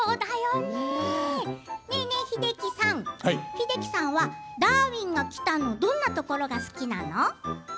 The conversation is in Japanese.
ねえねえ、英樹さん英樹さんは「ダーウィンが来た！」のどんなところが好きなの？